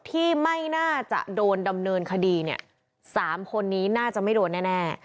ที่ไม่น่าจะโดนดำเนินคดีเนี่ย๓คนนี้น่าจะไม่โดนแน่